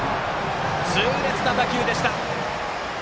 痛烈な打球でした！